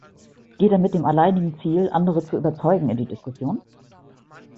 Geht er mit dem alleinigen Ziel, andere zu überzeugen, in die Diskussion?